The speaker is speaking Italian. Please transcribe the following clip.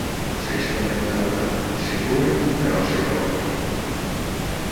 Sei spaventata, insicura, però sei pronta.